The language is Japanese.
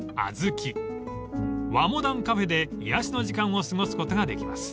［和モダンカフェで癒やしの時間を過ごすことができます］